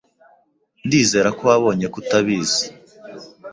Ndizera ko wabonye ko utabizi.